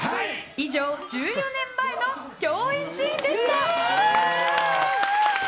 以上、１４年前の共演シーンでした。